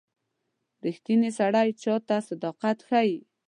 • ریښتینی سړی هر چاته صداقت ښيي.